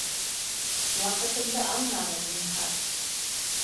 Ваҡытымды алмағыҙ, зинһар!